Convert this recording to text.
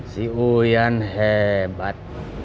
si uyan hebat